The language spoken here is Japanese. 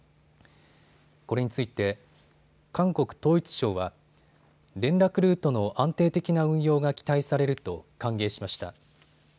これについて韓国統一省は連絡ルートの安定的な運用が期待されると歓迎しました。